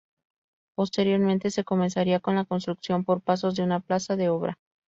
Posteriormente, se comenzaría con la construcción por pasos de una plaza de obra.